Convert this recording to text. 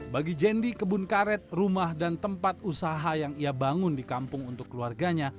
bagi jendi kebun karet rumah dan tempat usaha yang ia bangun di kampung untuk keluarganya